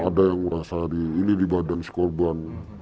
ada yang ngerasa ini di badan si korban